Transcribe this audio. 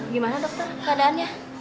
gimana dokter keadaannya